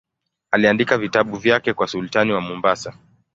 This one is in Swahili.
Aliandika vitabu vyake kwa sultani wa Mombasa.